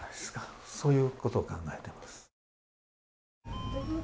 そういうことを考えてます。